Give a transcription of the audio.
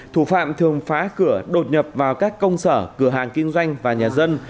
thủ phạm thường phá cửa đột nhập vào các công sở cửa hàng kinh doanh và nhà dân